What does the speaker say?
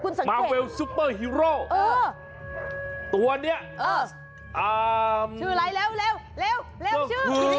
นี่มาเวลซูเปอร์ฮีโร่ตัวเนี่ยเอ่อชื่ออะไรเร็วเร็วชื่อ